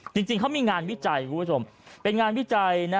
จริงเขามีงานวิจัยคุณผู้ชมเป็นงานวิจัยนะ